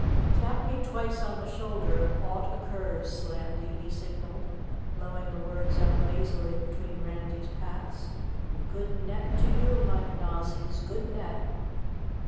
"Tap me twice on the shoulder if aught occurs, Slandy," he signaled, blowing the words out lazily between Randy's pats. "And good net to you, my Nozzies! Good net!"